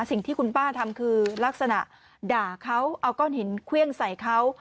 สิ่งที่คุณป้าทำคือลักษณะด่าเขาเอาก้อนหินเครื่องใส่เขา